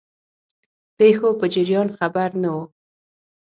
پیښو په جریان خبر نه وو.